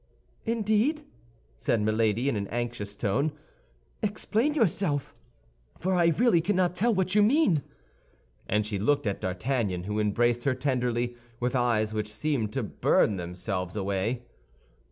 "Indeed!" said Milady, in an anxious tone; "explain yourself, for I really cannot tell what you mean." And she looked at D'Artagnan, who embraced her tenderly, with eyes which seemed to burn themselves away.